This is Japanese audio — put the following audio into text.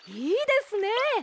いいですね！